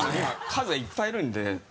数がいっぱいいるんで。